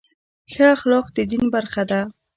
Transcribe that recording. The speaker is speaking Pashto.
ښه اخلاق د دین برخه ده.